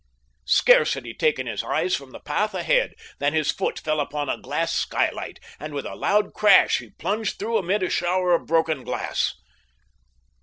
Scarce had he taken his eyes from the path ahead than his foot fell upon a glass skylight, and with a loud crash he plunged through amid a shower of broken glass.